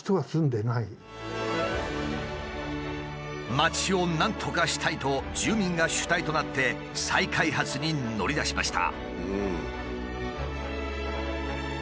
町をなんとかしたいと住民が主体となって再開発に乗り出しました。